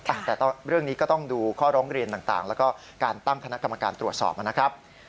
แต่เรื่องนี้ก็ต้องดูข้อร้องเรียนต่างแล้วก็การตั้งคณะกรรมการตรวจสอบนะครับ